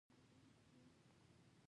زه دا هر څه يوازې ستا لپاره ترسره کوم.